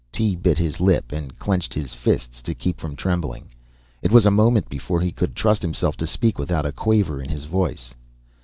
Tee bit his lip, and clenched his fists to keep from trembling. It was a moment before he could trust himself to speak without a quaver in his voice.